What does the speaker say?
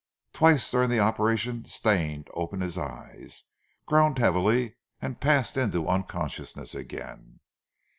Twice during the operation Stane opened his eyes, groaned heavily, and passed into unconsciousness again.